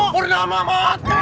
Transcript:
purno mah mot